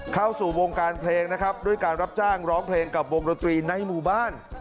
เข้าสู่วงการเพลงนะครับด้วยการรับจ้างร้องเพลงกับวงดนตรีในหมู่บ้าน